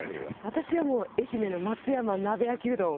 私は愛媛の松山鍋焼きうどん。